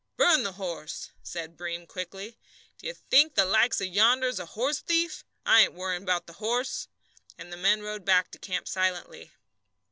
"Burn the horse!" said Breem quickly. "D'ye think the like of yonder's a horse thief? I ain't worrying 'bout the horse." And the men rode back to camp silently.